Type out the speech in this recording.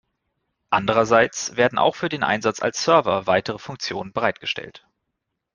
Andererseits werden auch für den Einsatz als Server weitere Funktionen bereitgestellt.